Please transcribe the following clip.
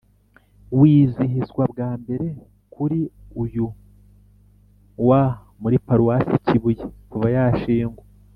wizihizwa bwa mbere kuri uyu wa muri paruwasi kibuye kuva yashingwa